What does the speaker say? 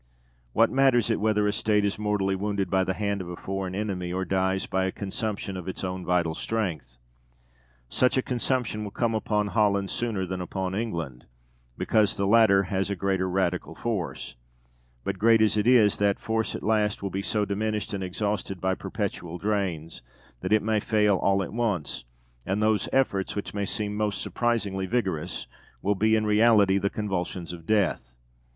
What matters it whether a State is mortally wounded by the hand of a foreign enemy, or dies by a consumption of its own vital strength? Such a consumption will come upon Holland sooner than upon England, because the latter has a greater radical force; but, great as it is, that force at last will be so diminished and exhausted by perpetual drains, that it may fail all at once, and those efforts, which may seem most surprisingly vigorous, will be in reality the convulsions of death.